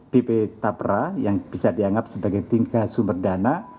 bp tapra yang bisa dianggap sebagai tingkat sumber dana